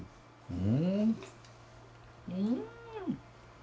うん！